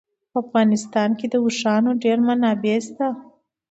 په افغانستان کې د اوښانو ډېرې منابع شته دي.